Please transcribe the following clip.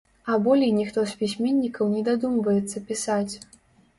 А болей ніхто з пісьменнікаў не дадумваецца пісаць.